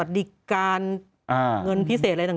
ดิการเงินพิเศษอะไรต่าง